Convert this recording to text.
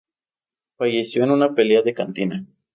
Falleció en una pelea de cantina.